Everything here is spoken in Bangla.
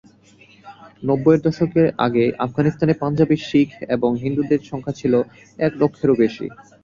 নব্বইয়ের দশকের আগে আফগানিস্তানে পাঞ্জাবী শিখ এবং হিন্দুদের সংখ্যা ছিল এক লক্ষেরও বেশি।